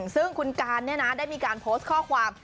ซึ่งคุณการได้มีการโพสต์ข้อความ